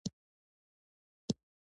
ماشي په ولاړو اوبو کې پیدا کیږي